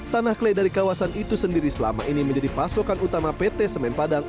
tanah kle dari kawasan itu sendiri selama ini menjadi pasokan utama pt semen padang